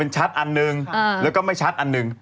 ชัดอันหนึ่งแล้วก็ไม่ชัดอันหนึ่ง